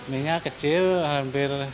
mie kecil hampir